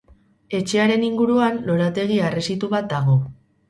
Etxearen inguruan lorategi harresitu bat dago.